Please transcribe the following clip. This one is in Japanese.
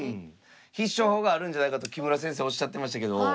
必勝法があるんじゃないかと木村先生おっしゃってましたけど。